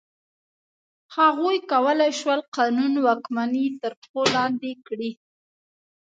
هغوی کولای شول قانون واکمني تر پښو لاندې کړي.